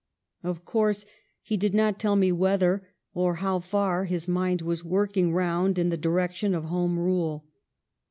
Of course he did not tell me whether or how far his mind was working round in the direction of Home Rule.